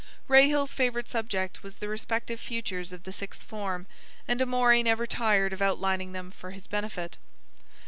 Rahill's favorite subject was the respective futures of the sixth form, and Amory never tired of outlining them for his benefit.